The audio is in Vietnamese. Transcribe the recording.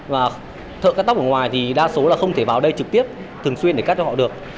và thợ cắt tóc ở ngoài thì đa số là không thể vào đây trực tiếp thường xuyên để cắt cho họ được